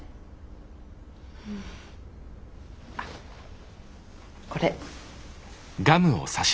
あっこれ。